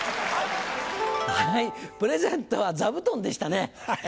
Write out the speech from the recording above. プレゼントは座布団でしたね。